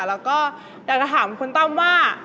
แล้วก็อยากจะถามคุณตั้มว่า